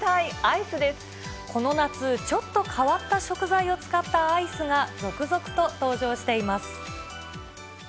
この夏、ちょっと変わった食材を使ったアイスが、続々と登場しています。